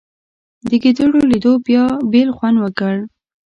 د ګېډړو لیدو بیا بېل خوند وکړ.